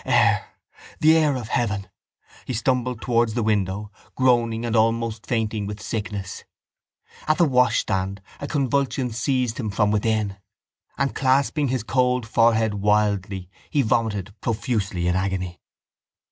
Air! The air of heaven! He stumbled towards the window, groaning and almost fainting with sickness. At the washstand a convulsion seized him within; and, clasping his cold forehead wildly, he vomited profusely in agony.